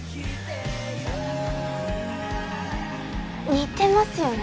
似てますよね